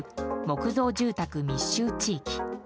木造住宅密集地域。